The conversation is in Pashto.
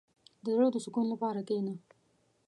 • د زړۀ د سکون لپاره کښېنه.